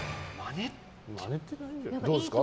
どうですか？